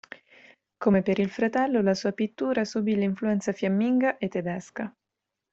Come per il fratello la sua pittura subì l'influenza fiamminga e tedesca.